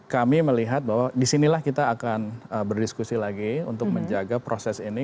kami melihat bahwa disinilah kita akan berdiskusi lagi untuk menjaga proses ini